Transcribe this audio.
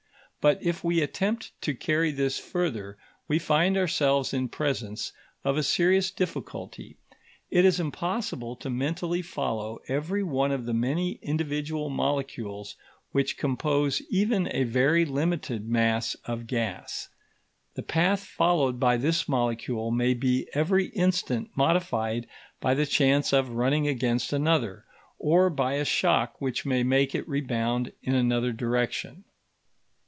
But if we attempt to carry this further, we find ourselves in presence of a serious difficulty. It is impossible to mentally follow every one of the many individual molecules which compose even a very limited mass of gas. The path followed by this molecule may be every instant modified by the chance of running against another, or by a shock which may make it rebound in another direction.